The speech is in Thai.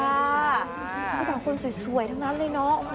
เอาแต่คนสวยทั้งนั้นเลยเนาะโห